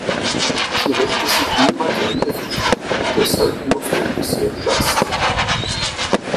Sie hätte sich niemals eingefügt, deshalb musste ich sie entlassen“.